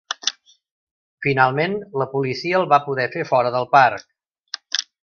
Finalment, la policia el va poder fer fora del parc!